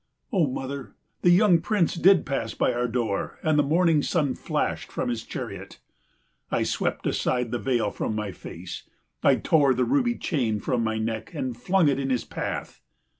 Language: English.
O mother, the young Prince did pass by our door, and the morning sun flashed from his chariot. I swept aside the veil from my face, I tore the ruby chain from my neck and flung it in his path.